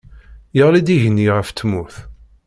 Yeɣli-d igenni ɣef tmurt